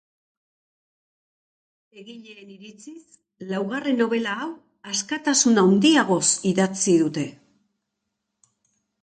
Egileen iritziz laugarren nobela hau askatasun handiagoz idatzi dute.